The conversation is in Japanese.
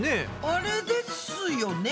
あれですよね？